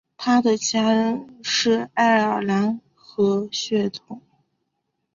他的家人是爱尔兰和血统。